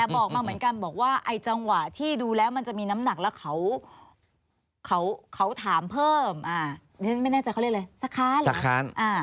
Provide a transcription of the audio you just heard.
ไม่แน่ใจเขาเรียกอะไรสะค้าน